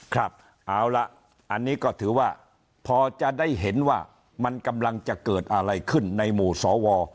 ครับเอาละอันนี้ก็ถือว่าพอจะได้เห็นว่ามันกำลังจะเกิดอะไรขึ้นในหมู่สว